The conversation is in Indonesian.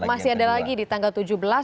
masih ada lagi di tanggal tujuh belas